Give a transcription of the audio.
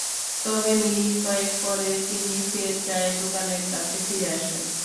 তবে মিনিট কয়েক পরে তিনি ফের চায়ের দোকানের কাছে ফিরে আসেন।